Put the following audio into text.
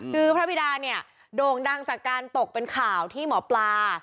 คือพระบิดาเนี่ยโด่งดังจากการตกเป็นข่าวที่หมอปลา